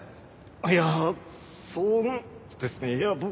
いやそうですねいや。